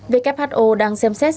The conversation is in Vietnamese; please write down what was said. who đang xem xét